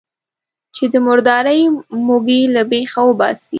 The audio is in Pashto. چې د مردارۍ موږی له بېخه وباسي.